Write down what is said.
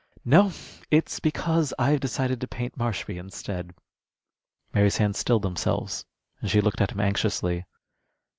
No, it's because I've decided to paint Marshby instead." Mary's hands stilled themselves, and she looked at him anxiously.